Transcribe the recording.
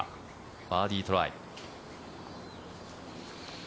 バーディートライ。